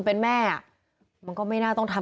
พุ่งเข้ามาแล้วกับแม่แค่สองคน